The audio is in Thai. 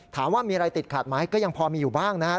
ถามว่ามีอะไรติดขัดไหมก็ยังพอมีอยู่บ้างนะครับ